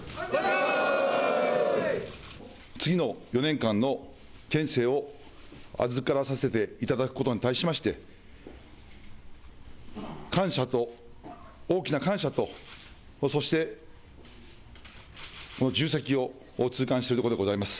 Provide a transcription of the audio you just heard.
次の４年間の県政を預からさせていただくことに対しまして、感謝と、大きな感謝と、そして、この重責を痛感しているところでございます。